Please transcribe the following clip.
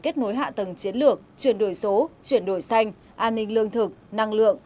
tầng chiến lược chuyển đổi số chuyển đổi xanh an ninh lương thực năng lượng